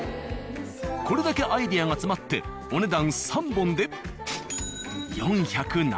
これだけアイデアが詰まってお値段３本で。